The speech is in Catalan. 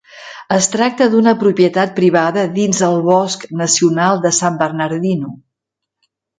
Es tracta d'una propietat privada dins el bosc nacional de San Bernardino.